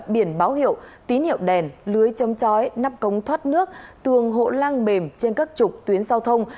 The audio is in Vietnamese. biển báo hiệu tín hiệu đèn lưới chấm trói nắp cống thoát nước tường hộ lang mềm trên các trục tuyến giao thông